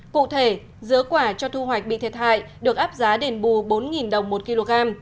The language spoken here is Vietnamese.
cụ thể dứa quả cho thu hoạch bị thiệt hại được áp giá đền bù bốn đồng một kg